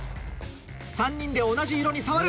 ３人で同じ色に触る。